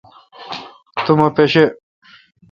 تو مہ پاݭہ۔